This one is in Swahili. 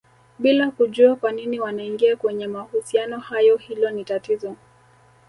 bila kujua kwanini wanaingia kwenye mahusiano hayo hilo ni tatizo